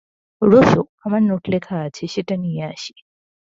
রোসো, আমার নোট লেখা আছে, সেটা নিয়ে আসি।